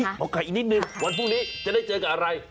เห้ยมกอีกนิดนึงวันภูนิจะได้เจอกับอะไร